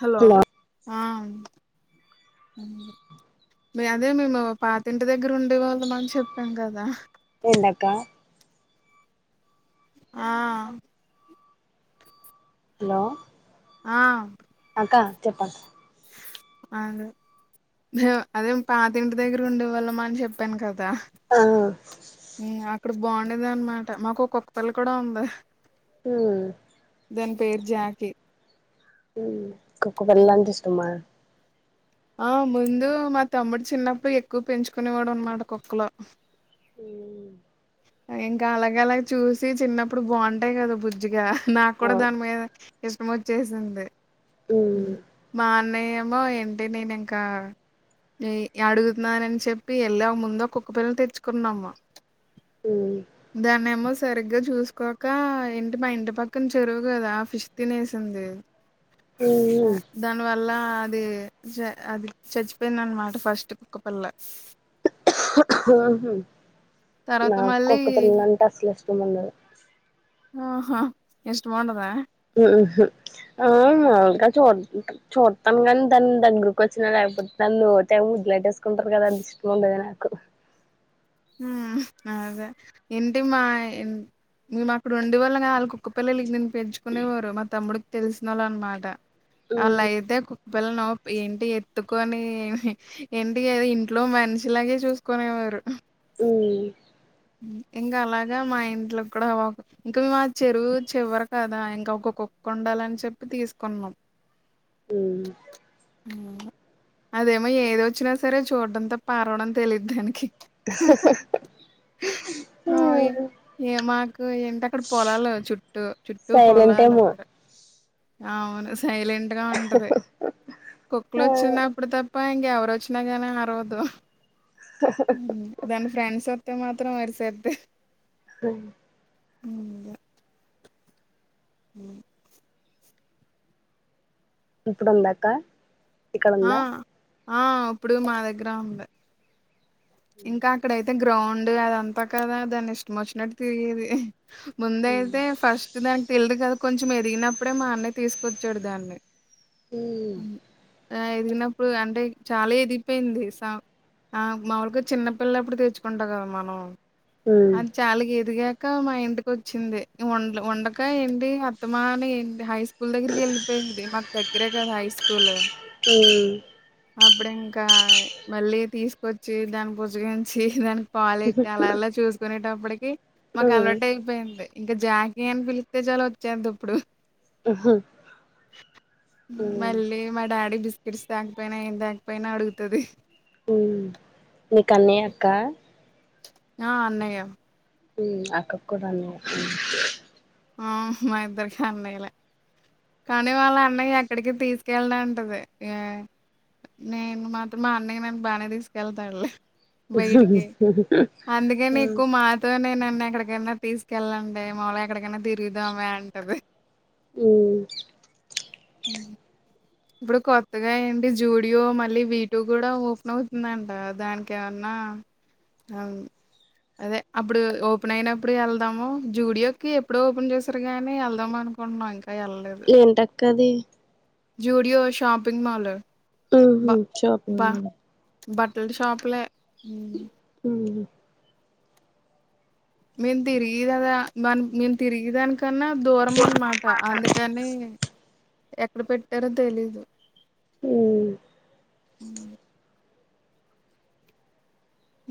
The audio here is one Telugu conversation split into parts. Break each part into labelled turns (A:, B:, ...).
A: హలో ఆ అదే మేము పాతింటి దగ్గర ఉండే వాళ్ళం అని చెప్పాం కదా
B: ఎంటక్కా
A: ఆ
B: హలో
A: ఆ
B: అక్క చెప్పక్క
A: అదే అదే పాతింటి దగ్గర ఉండేవాళ్ళమా అని చెప్పాను కదా
B: ఆ
A: దా అక్కడ బాగుండేది అనమాట మాకు ఒక్క కుక్క పిల్ల కూడా ఉంది
B: ఉ
A: దాని పేరు జాకి
B: కుక్క పిల్ల అంటే ఇష్టమా
A: ఆ ముందు మా తమ్ముడు చిన్నప్పుడు ఎక్కువ పెంచుకునేవాడు అనమాట కుక్కలు
B: ఉ
A: ఇంకా అలాగ అలాగ చూసి చిన్నప్పుడు బాగుంటాయి కదా బుజ్జిగా నాకు కూడా
B: ఓ
A: దాని మీద ఇష్టం వచ్చేసింది
B: మ్
A: మా అన్నయ్య మో ఏంటి నేను ఇక అడుగుతున్నానని చెప్పి వెళ్ళా ముంద కుక్క పిల్లని తెచ్చుకున్నాము
B: మ్
A: ధ్యాన్ ఏమో సరిగ్గా చూసుకోక ఏంటి మా ఇంటి పక్కన చెరువు కదా ఫిష్ తినేసింది
B: మ్
A: ఆ దన్ లా అది చ అది చచ్చిపోయింది అనమాట ఫస్ట్ కుక్కపిల్ల తర్వాత
B: నాకు
A: మళ్ళీ
B: కుక్క పిల్లల అంటే అసలు ఇష్టం ఉండదు
A: ఆహా ఇష్టముండదా
B: ఉ ఆ మాకా చూ చూతాం కాని దాన్ని దగ్గకు వచ్చినా లేకపో ఇలైట్సుకుంటారు కదా అంత ఇష్టం ఉండది నాకు
A: ఊ అదే ఎంటి మాన్ నువు అక్కడ ఉండి వల్ల క ఆళ్ కుక్క పిల్లకి నేను పెంచుకునేవారు మా తమ్ముడికి తెలిసినోళ్ళ అనమాట
B: మ్
A: వాళ్ళయితే కుక్కపిల్లను ఏంటి ఎత్తుకొని ఏంటి అదో ఇంట్లో మనిషిలాగే చూసుకునేవారు
B: ఊమ్
A: ఇంకా అలాగా మా ఇంట్లో కూడా ఇంకా మా చెరువు చివర కదా ఇంకా ఒక్కొక్కొ కొండాలని చెప్పి తీసుకున్నాం
B: ఉ
A: అదేమో ఏది వచ్చినా సరే చూడ్డం తప్ప అరవడం తెలిదు దానికి అ
B: మ్
A: ఏ మాకు ఏంట అక్కడ పొలాలు చుట్టూ చుట్టూ
B: సైలెంట్
A: పొలాలు
B: ఏమో
A: అక్కడ అవును సైలెంట్ గా ఉంటది కుక్కలు వచ్చినప్పుడు తప్ప ఇంకా ఇంక ఎవరు వచ్చినా కానీ అర్వదు దాని ఫ్రెండ్స్ వస్తే మాత్ త్రం అరిసేద్ది
B: అ
A: హ
B: ఇప్పుడుందా అక్క
A: ఆ
B: ఇక్కడుందా
A: ఆ ఇప్పుడు మా దగ్గర ఉంది ఇంకా అక్కడయితే అయితే గ్రౌండ్ అదంతా కదా దాన్ని ఇష్టం వచ్చినట్టు తిరిగేది ముందయితే
B: నీకు
A: ఫస్ట్ దానికి తెలిదు కదా కొంచెం ఎదిగినప్పుడే మా అన్నయ్య తీసుకొచ్చాడు దాన్ని
B: ఊ
A: ఆ ఎదిగినప్పుడు అంటే చాలా ఎదిగిపోయింది ఆ మావర్క చిన్నపిల్లప్పుడు తెచ్చుకుంటరో కదా మనం అది చాలా ఇదిగా మా ఇంటికి వచ్చింది వండక ఏంటి అత్తమా అని ఏంటి హై స్కూల్ దగ్గరికి వెళ్ళిపోయింది మాకు దగ్గరే కదా హై స్కూల్ అప్పుడు ఇంకా మళ్ళీ తీసుకొచ్చి దాని బుజ్జగించి దానికి పాలిట్ అలాలా చూసుకునేటప్పటికి మాకు అలవాట్ అయిపోయింది ఇంకా జాకి అని పిలిత్తే చాలా వచ్చేది అప్పుడు మళ్ళీ మా డాడీ బస్ కిడిస్ తాకపోయినా ఏం తాకపోయినా అడుగుతది
B: ఉమ్ నీకన్నయ్య అక్క
A: ఆ అన్నయ్య
B: ఉ అక్క కూడా అన్నయ
A: ఆ మా ఇద్దరుకి అన్నయ్యలే కానీ వాళ్ళ అన్నయ్య ఎక్కడికి తీసుకెళ్లడు అంటది నేను మాత్రం మా అన్నయ్యని నేను బానే తీసుకెళ్తాడలే బయటికి అందుకని ఎక్కువ మాతోనేన నను ఎక్కడికైనా తీసుకెళ్ళండి మాళ ఎక్కడికైనా తిరుగుదామ అంటది
B: ఉ
A: అ ఇప్పుడు కొత్తగా ఏంటి జూడియో మళ్ళీ వీటుో కూడా ఓపెన్ అవుతుందంట దానికి ఏమన్నా ఆ అవును అదే అప్పుడు ఓపెన్ అయినప్పుడు వెళ్దాము జూడియోకి ఎప్పుడు ఓపెన్ చేసారు గానీ వెళ్దాంమని కున్న
B: ఏంటి అక్క అది
A: జుడియో షాపింగ్ మాలు
B: ఉహు షాపింగ్ మల్
A: బట్టల్ షాపులే ఉ మేమ్ తిరిగిదాదా దా మేము తిరిగిదానికి కన్నా దూరం అన్నమాట అందుకని ఎక్కడ పెట్టారో తెలీదు
B: ఉ
A: ఊ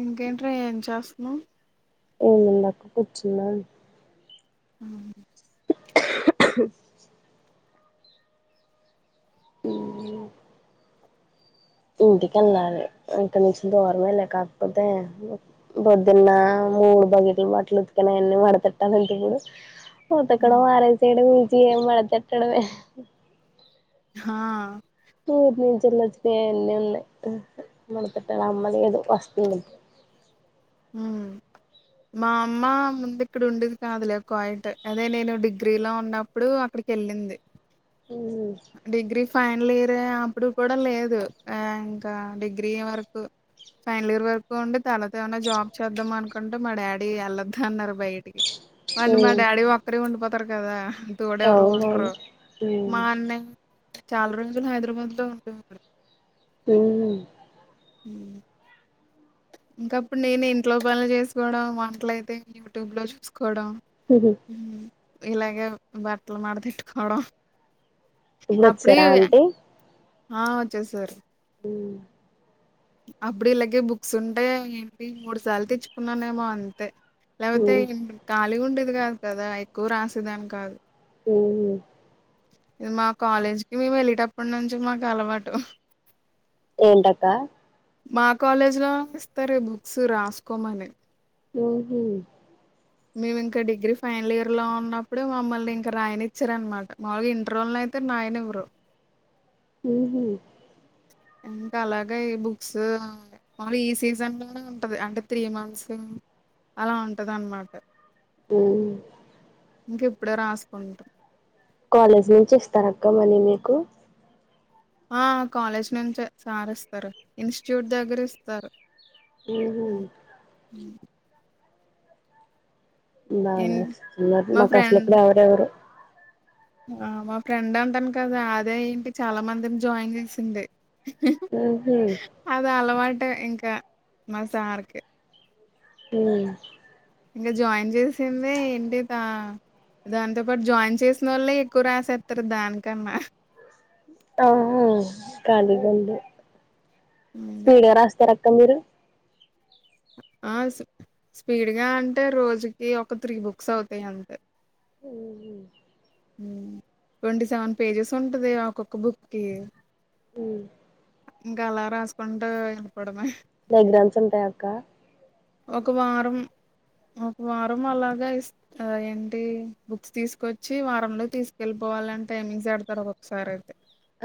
A: ఇంకేంట్రా ఏం చేస్తున్నావ్
B: ఏముందక్క కూర్చున్నాను
A: ఉ
B: [inaudible] హ్మ్ ఇంటికెళ్ళాలి ఇంక నుంచి దూరమే లే కాకపోతే పొద్దున్న మూడు బగెట్లు బట్టలు ఉతుకిన అవన్నీ మడతెట్టాలంటే ఇప్పుడు ఉతకడం అరెసయడం ఈజీ ఎ మడతెట్టడమే
A: హా
B: ఊరునుంచీయేలోచినఅన్నీ ఉన్నాయి మడతెటాలి అమ్మ లేదు వస్తుంది
A: ఉ మా అమ్మ ముందు ఇక్కడ ఉండేది కాదులే కోయింట్ అదే నేను డిగ్రీలో ఉన్నప్పుడు అక్కడి కెళ్ళింది డిగ్రీఫ్ ఫైనల్ ఇయర్ అప్పుడు కూడా లేదు ఇంకా డిగ్రీ అయ్యేవరకు ఫైనల్ ఇయర్ వరకు ఉండి తర్వాత ఏమన్న జాబ్ చేద్దాం అనుకుంటే మా డాడీ ఎళ్లొద్దు అన్నారు బయటికి మళ్ళీ మా
B: మ్మ్
A: డాడీ ఒక్కరే ఉండిపోతారు కదా తోడు ఎవరు
B: అవునవును
A: ఉండరు మా అన్నయ చాలా రోజులు హైదరాబాద్లో ఉండేవోడు
B: ఉ
A: హ్మ్ ఇంకప్పుడు నేను ఇంట్లో పనులు చేసుకోవడం వంట్లయితే యూట్యూబ్లో చూసుకో కోడం
B: ఇప్పుడు
A: ఉ ఇలాగే బట్టలు మాడతెట్టుకోడం
B: ఉండి వచ్చార అంటీ
A: ఆ వచ్చేసారు
B: ఉ
A: అప్పుడు ఇలాగే బుక్స్ ఉంటే ఏంటి మూడు సార్లు తెచ్చుకున్నానేమో అంతే లేకపోతే ఇ ఖాళీ ఉండేది కాదు కదా ఎక్కువ రాసేదాని కాదు
B: ఉ
A: మేము మ కాలేజీకి మేము వెళ్లేటప్పటి నుంచి మాకు అలవాటు
B: ఏంటక్క
A: మా కాలేజ్ లో ఇస్తారు బుక్స్ రాసుకోమని
B: ఉహు
A: మేము ఇంకా డిగ్రీ ఫైనల్ ఇయర్లో ఉన్నప్పుడే మమ్మల్ని ఇంకా రాయనిచ్చర అనమాట మామలుగా ఇంటరోల్నే అంతే నాయనివరు
B: ఉహు
A: ఇంకా అలాగే ఈ బుక్స్ మళ్ళి ఈ సీజన్లోనే ఉంటది అంటే త్రీ మంత్స్ అలా ఉంటది అన్నమాట
B: ఉ
A: ఇంక ఇప్పుడే రాసుకుంటు
B: కాలేజ్ నుంచి ఇస్తార అక్క మనీ మీకు
A: ఆ కాలేజ్ నుంచే సార్ ఇస్తారు ఇన్స్టిట్యూట్ దగ్గర ఇస్తారు
B: ఉహు
A: హుహు. ఇన్
B: బాగా
A: మా
B: మాకు
A: ఫ్రెండ్
B: అసలుప్పుడు ఎవర ఎవరు
A: ఆ మా ఫ్రెండ్ అంటాను కదా అదే ఏంటి చాలా మందిని జాయిన్ చేసింది అద అలవాటే ఇంకా మాసార్కి
B: ఉ
A: ఇంగ జాయిన్ చేసింది ఏంటి త దాంతో పాటు జాయిన్ చేసిన వాళ్లే ఎక్కువ రాసేత్తరు దానికన్న
B: ఆహా కాలీగ ఉంది
A: అదే.
B: ఫ్రీగా రాస్తే క మీరు
A: ఆ స్పీడ్గా అంటే రోజుకి ఒక త్రీ బుక్స్ అవుతయ్ అంతే
B: ఉ
A: ట్వంటీ సెవెన్ పేజెస్ ఉంటది ఒక్కొక్క బుక్కిి
B: ఉ
A: ఇంకా అలా రాసుకుంటూ వెళ్ళిపోవడమే
B: డైగ్రామ్స్ ఉంటాయ అక్క
A: ఒక వారం ఒక వారం అలాగా ఇస్ ఏంటి బుక్స్ తీసుకొచ్చి వారంలో తీసుకెళ్ళిపో పోవాలంటే టైమింగ్సేపెడతారు ఒకొక్కసారి అయి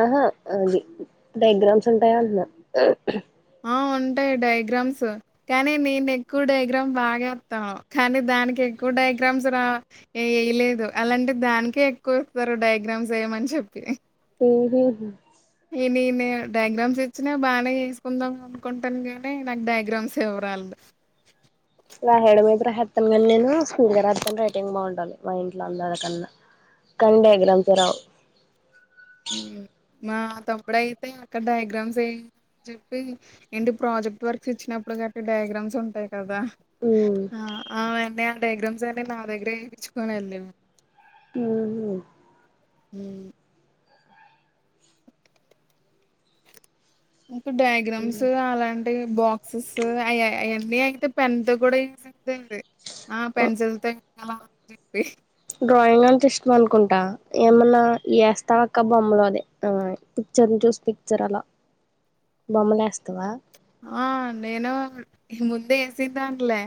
B: ఆహా అది డయాగ్రామ్స్ ఉంటాయా అన్న
A: ఆ ఉంటాయి డయాగ్రామ్స్ కానీ నేను ఎక్కువ డయాగ్రామ్ బాగేత్త కానీ దానికి ఎక్కువ డయాగ్రామ్స్ రా వేయలేదు అలాంటి దానికే ఎక్కువ ఇస్తరు డయాగ్రామ్స్ వేయమని చెప్పి
B: ఉహు
A: నేనే డయాగ్రామ్స్ ఇచ్చినా బానే చేసుకుందాం అనుకుంటాను గానీ నాకు డయాగ్రామ్స్ ఎవరాల [inaudible]
B: రాయడం మీతే రాహేతాను కానీ నేను స్కూల్ దగరడతాను రైటింగ్ బాగుండాలి మా ఇంట్లో అందరి అకన్నా కానీ డైగ్రాంసే రావ్
A: ఉ మా తమ్ముడు అయితే అక్కడ డయాగ్రామ్స్ ఏ అని చెప్పి ఏంటి ప్రాజెక్ట్ వర్క్స్ ఇచ్చినప్పుడు డుట్టి డయాగ్రామ్స్ ఉంటాయి కదా
B: ఉమ్
A: అవునండి డయాగ్రామ్స్ అన్ని నా దగ్గరే ఏపిచ్చుకొని వెళ్ళి ఉ కు డయాగ్రామ్స్ అలాంటి బాక్సెస్ అయ్ అయన్నీ అయితే పెన్ తో కూడా ది ఆ
B: ఉహు
A: పెన్సిల్ తో అలాని చెప్పి
B: డ్రాయింగ్ అంటే ఇష్టం అనుకుంటా ఏమన్నా తోక బొమ్మలు అదే ఆ పిక్చర్ చూసి పిక్చర్ అలా బొమ్మలేస్తవా.
A: ఆహ్ నేను ముందే వేసుంటానులే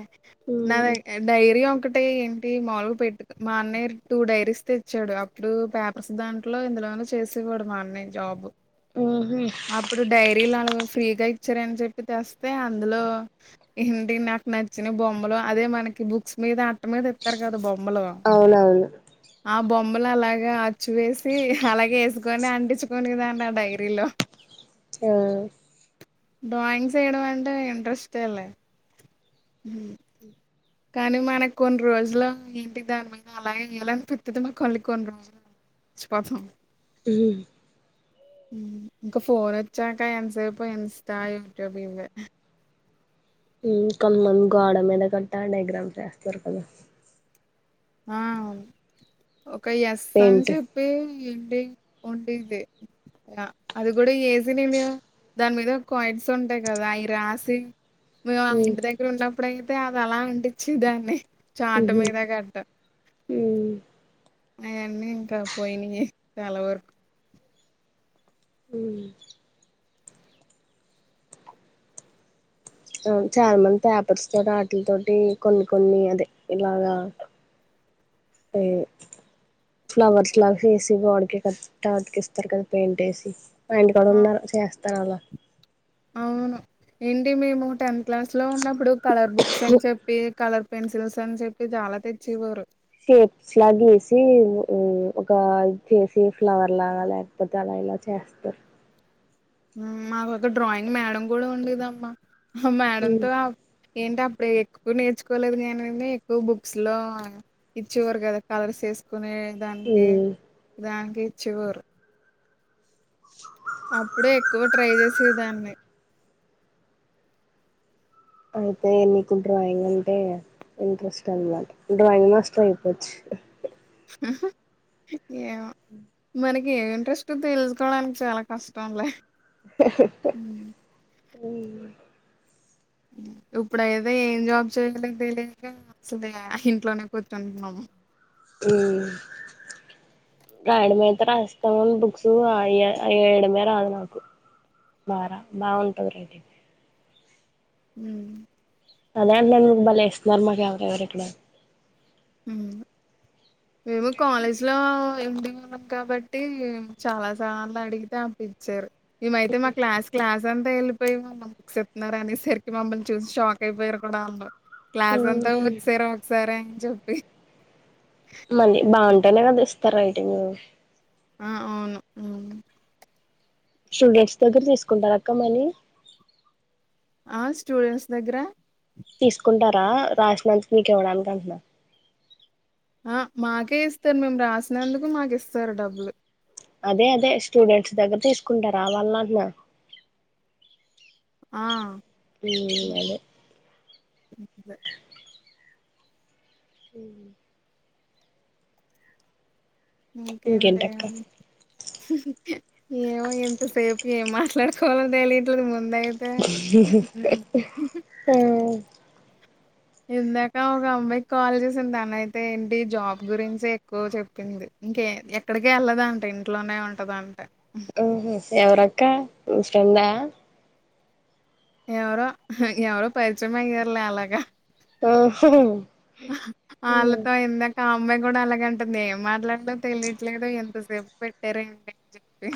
A: నాది
B: ఉమ్
A: డైరీ ఒక. ఒకటే ఏంటి మాముల్గు పెట్టు మా అన్నయ్య టూ డైరీస్ తెచ్చాడు అప్పుడు పేపర్స్ దాంట్లో ఇందులో. దాన్ని చేసి ఇవ్వడు మా అన్నయ్య జాబ్
B: ఉహు
A: అప్పుడు డైరీలు వాళ్లు ఫ్రీగా. చ్చర అని చెప్పి తెస్తే అందులో ఇంటి నాకు నచ్చిన బొమ్మలు అదే మనకి బుక్స్. ఆహ్ అట్ట మీద ఇస్తారు కదా బొమ్మలు
B: అవునవును
A: ఆ బొమ్మలు. బొమ్మలు అలాగా అచ్చువేసి అలాగే వేసుకొని అంటించుకోనే దాన్ని ఆ డైరీలో.
B: ఆహ్.
A: డ్రాయింగ్ చేయటం అంటే ఇంంట్రెస్టేలే. కానీ మనకు కొన్ని రోజులు ఏంటి దాని మీద అలాగే గీయాలనిపిస్తది మళ్ళీ కొన్ని కొన్ని రోజులు ప్రథం.
B: ఉమ్.
A: ఉమ్ ఇంకా ఫోన్ వచ్చాక ఎంతసేపు ఇన్స్టా యూట్యూబ్ ఇవే.
B: ఉమ్ కొంతమంది గోడ మీద కట్టాలి డైగ్రామ్స్ వేస్తారు కదా.
A: ఆహ్ ఒక ఎస్ అని
B: పెయింట్
A: చెప్పి. ఉమ్ ఉంటే ఇదే. అది కూడా ఏజినడి దాని మీద కాయిన్స్ ఉంటాయి కదా అవి రాసి. మేము ఆ
B: ఉమ్
A: ఇంటి దగ్గర ఉన్నప్పుడు అయితే అది అలా అంటించి దాన్ని చాటు
B: ఉహుమ్
A: మీద గట్టు.
B: ఉమ్.
A: అయన్నీ ఇంకా పోయినయే చాలా వరకు.
B: ఉమ్. ఆహ్ చాలామంది పేపర్స్ తోటి ఆటల తోటి కొన్ని కొన్ని అదే ఇలాగా ఏయ్. ఫ్లవర్స్ లాగా చేసి గోడకు ఇట్లా అతికిస్తారు కదా పెయింటేసి. మా ఇంటి కాడా
A: ఆ
B: ఉన్నాగ చేస్తా అలా.
A: అవును ఏంటి మేము టెన్త్ క్లాస్ లో ఉన్నప్పుడు కలర్ బుక్స్ అని చెప్పి కలర్. పెన్సిల్స్ అని చెప్పి చాలా తెచ్చేవారు.
B: షేప్స్ లా గీసి ఉమ్ ఒక ఇది చేసి ఫ్లవర్ లాగా లేకపోతే అలాగ. లా చేస్తారు.
A: ఉమ్ మాకొ ఒక డ్రాయింగ్ మేడం కూడా ఉండేదమ్మా ఆ
B: ఉమ్
A: మేడంతో. ఏంటి అప్పుడు ఎక్కువ నేర్చుకోలేదు కానీఎక్కువ బుక్స్ లో ఇచ్చేవారు కదా కలర్స్ ఏస్. కొనే దానికి
B: ఉమ్
A: దానికి చివరు. అప్పుడే ఎక్కువ ట్రై చేసేదాన్ని.
B: అయితే నీకు డ్రాయింగ్ అంటే ఇంట్రెస్ట్ అనమాట డ్రాయింగ్ మాస్టర్ అయిపోవచ్చు.
A: ఆహ్ ఏం.
B: ఆహ్.
A: మనకి ఏం ఇంట్రెస్టో తెలుసుకోవడానికి చాలా కష్టంలే హ్మ్.
B: ఉమ్.
A: ఇప్పుడైతే ఏం జాబ్ చేయలేక తెలియక అసలే ఇంట్లోనే కూర్చుంటున్నాము.
B: ఉహూ. రాయడమయితే రాస్తాం బుక్స్ ఆహ్ వేయడమైతే రాదు నాకు. బారా బాగుంటది రెడైతే.
A: హ
B: అదే అంట్నాను మీకు బలేస్తున్నారు మాకెవరు ఇవ్వట్లేదాని
A: ఉమ్ ఇగో కాలేజ్లో ఉండే వాళ్లం కాబట్టి చాలా సార్లు అడిగితే అప్పుడిచారు మేంమైతే మా క్లాస్ క్లాస్ అంతాళపోయి మామ్మమ్ చెప్తున్నార అని సరికి మమ్మల్ని చూసి షాక్ అయిపోయారు కూడా ఆంధ్రు క్లాస్ అంతా వచ్చేస్రా ఒకసారి అని చెప్పి
B: మల్లి బాగుంటేనే కదా ఇస్తారు రేటింగు
A: ఆ అవును
B: స్టూడెంట్స్ దగ్గర తీసుకుంటారు అక్క మని
A: ఆ స్టూడెంట్స్ దగ్గర
B: తీసుకుంటారా రాసినందుకు మీక్ ఇవ్వడానికి అంటున్నా
A: ఆ మాకే ఇస్తారు మేము రాసినందుకు మాకు ఇస్తారు డబ్బులు
B: అదే అదే స్టూడెంట్స్ దగ్గర తీసుకుంటారు ఆ వాళ్లంట్నా
A: ఆ
B: ఉ
A: హ్మ్.
B: అదే
A: అదే
B: హ
A: ఇంకేంటే
B: ఇంకేంటక్క
A: ఏమో ఇంతసేపు ఏమ ఎట్లాడుకోవాల తెలిదు ముందైతే ఇందాక ఒక అమ్మాయికి కాల్ చేసింది తన అయితే ఏంటి జాబ్ గురించి ఎక్కువ చెప్పింది ఇంకే ఎక్కడికి ఎల్లదంట ఇంట్లోనే ఉంటదంట
B: ఆహా ఎవరక్క మీ ఫ్రెండా
A: ఎవరో ఎవరో పరిచయమాయర్లే అలాగా ఆళ్లతో ఇందాక ఆ అమ్మాయిని కూడా అలాగంటది ఏం మాట్లాడలో తెలియట్లేదుో ఎంతసేపు పెట్టార ఏంటి అని చెప్పి